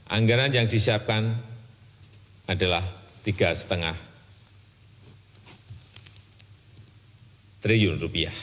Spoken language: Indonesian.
anggaran yang disiapkan adalah rp tiga lima triliun